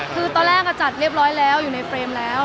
คือตอนแรกจัดเรียบร้อยแล้วอยู่ในเฟรมแล้ว